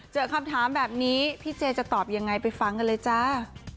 เจอคำถามแบบนี้พี่เจจะตอบยังไงไปฟังกันเลยจ้า